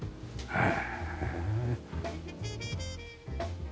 はい。